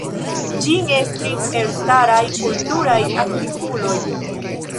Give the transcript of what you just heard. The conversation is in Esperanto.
Ĝin estris elstaraj kulturaj aktivuloj.